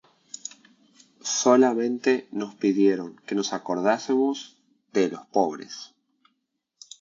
Solamente nos pidieron que nos acordásemos de los pobres;